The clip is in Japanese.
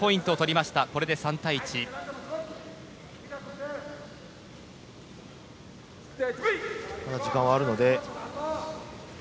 まだ時間はあるので。